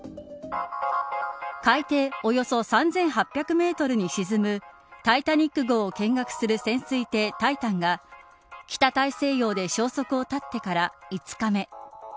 海底およそ３８００メートルに沈むタイタニック号を見学する潜水艇タイタンが北大西洋で消息を絶ってから５日目。